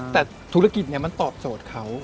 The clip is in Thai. แต่ธุรกิจนี้มันตอบโจทย์เขา